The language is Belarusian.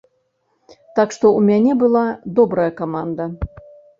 Так што ў мяне была добрая каманда.